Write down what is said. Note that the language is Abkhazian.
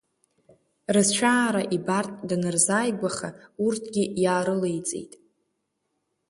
Рыцәаара ибартә данырзааигәаха урҭгьы иаарылеиҵеит.